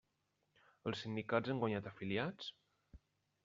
Els sindicats han guanyat afiliats?